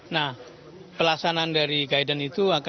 nah pelaksanaan dari guidance itu